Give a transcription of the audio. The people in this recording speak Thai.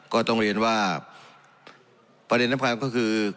ก็ต้องเรียนว่าประเด็นสำคัญก็คือ